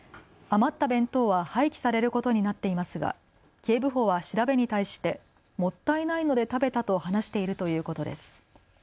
余った弁当は廃棄されることになっていますが警部補は調べに対してもったいないので食べたと話しているということです。